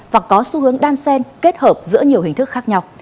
và có xu hướng đan sen kết hợp giữa nhiều hình thức khác nhau